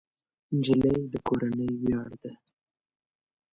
نجلۍ د کورنۍ ویاړ ده.